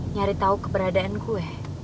nyari tau keberadaan gue